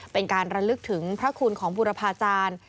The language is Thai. เป็นการระลึกถึงพระคุณของบุรพาจารย์